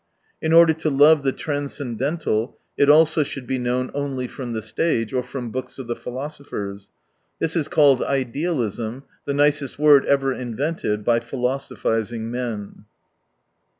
— In order to love the transcendental it also should be known only from the stage, or from books of the philosophers. This is called idealism, the nicest word ever invented by philoso phising men.